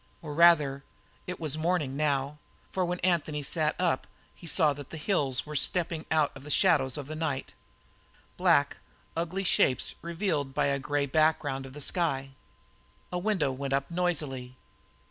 Or, rather, it was morning now, for when Anthony sat up he saw that the hills were stepping out of the shadows of the night, black, ugly shapes revealed by a grey background of the sky. A window went up noisily.